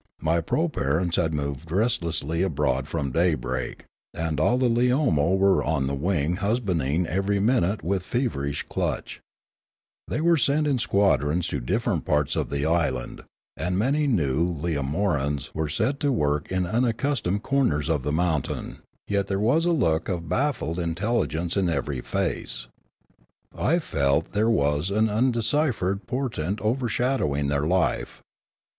My proparents had moved restlessly abroad from daybreak, and all the Leomo were on the wing husbanding every minute with feverish clutch. We were sent in squadrons to differ ent parts of the island, and many new leomorans were set to work in unaccustomed corners of the mountain, A Catastrophe 155 yet there was a look of baffled intelligence in every face. I that felt there was an undeciphered portent overshadowing their life.